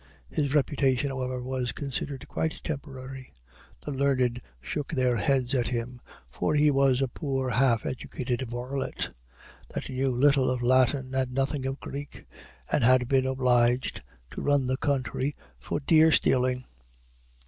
His reputation, however, was considered quite temporary. The learned shook their heads at him, for he was a poor half educated varlet, that knew little of Latin, and nothing of Greek, and had been obliged to run the country for deer stealing.